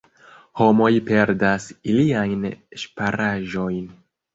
Homoj perdas iliajn ŝparaĵojn.